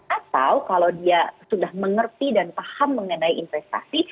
atau kalau dia sudah mengerti dan paham mengenai investasi